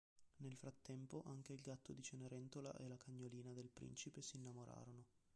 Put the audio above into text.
Nel frattempo, anche il gatto di Cenerentola e la cagnolina del principe si innamorano.